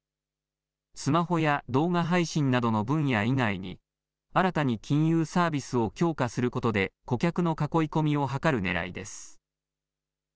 スマホや動画配信などの分野以外に新たに金融サービスを強化することで顧客の囲い込みを図るねらいです。